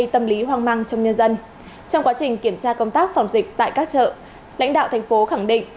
trong quá trình kiểm tra công tác phòng dịch tại các chợ lãnh đạo thành phố khẳng định